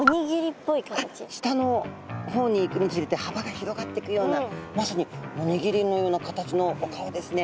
下の方にいくにつれてはばが広がってくようなまさにおにぎりのような形のお顔ですね。